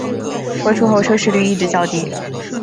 播出后收视率一直较低。